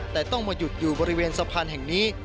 แต่ต้องมาหยุดอยู่บริเวณสะพานแห่งนี้